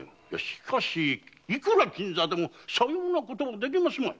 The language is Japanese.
しかしいくら金座でもさようなことはできますまい。